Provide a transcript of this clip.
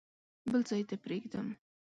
بل ځای ته پرېږدم.